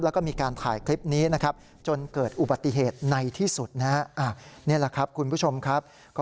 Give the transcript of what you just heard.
แล้วก็มีการถ่ายคลิปนี้นะครับจนเกิดอุบัติเหตุในที่สุดนะ